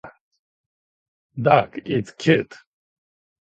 Dog is cute.